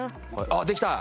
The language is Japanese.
あっできた？